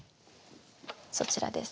そちらです。